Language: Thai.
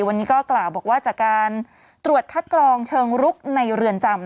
วันนี้ก็กล่าวบอกว่าจากการตรวจคัดกรองเชิงรุกในเรือนจำ